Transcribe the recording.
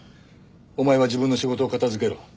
お前は自分の仕事を片付けろ。